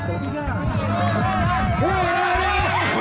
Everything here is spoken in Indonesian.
satu dua tiga